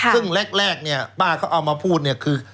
ซึ่งแรกเนี่ยป้าเขาเอามาพูดเนี่ยคือ